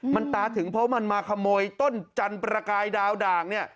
มันตาถึงเพราะมันมาขโมยต้นจันประกายดาวด่างเนี่ย